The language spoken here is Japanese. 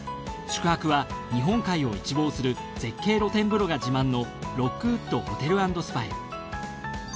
宿泊は日本海を一望する絶景露天風呂が自慢のロックウッド・ホテル＆スパへ。